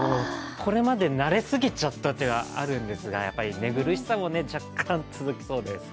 これまで慣れすぎちゃったというのはあるんですが、寝苦しさも若干続きそうです。